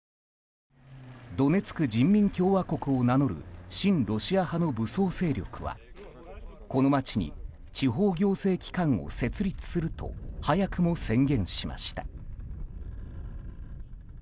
ドネツク人民共和国を名乗る親ロシア派の武装勢力はこの街に地方行政機関を設立すると早くも宣言しました。